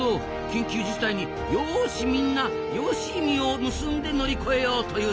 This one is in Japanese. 緊急事態に「よしみんなよしみを結んで乗り越えよう」という作戦だったわけか。